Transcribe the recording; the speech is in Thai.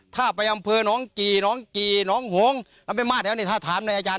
ถ้าไปอำเภอน้องกี่น้องกี่น้องหงแล้วไปมาแล้วนี่ถ้าถามในอาจารย